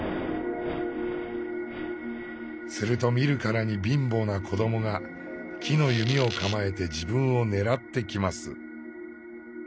すると見るからに貧乏な子どもが木の弓を構えて自分を狙ってきます。